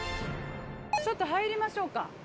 ちょっと入りましょうか。